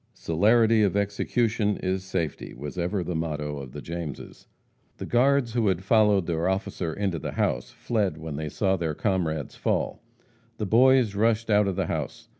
Celerity of execution is safety, was ever the motto of the Jameses. The guards who had followed their officer into the house, fled when they saw their comrades fall. The boys rushed out of the house.